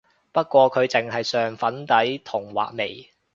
不過佢淨係上粉底同畫眉